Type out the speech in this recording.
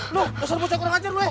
lo kekasur kasur kurang aja lu